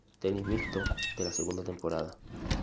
Tenis Mixto de la Segunda Temporada.